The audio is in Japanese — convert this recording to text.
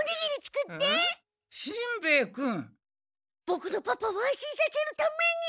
ボクのパパを安心させるために。